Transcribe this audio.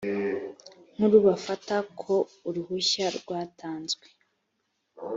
nkuru bafata ko uruhushya rwatanzwe